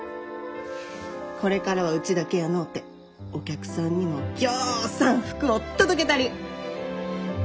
これからはウチだけやのうてお客さんにもぎょうさん福を届けたり。